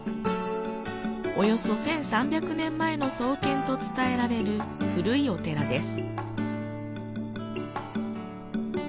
約１３００年前の創建と伝えられる古いお寺です。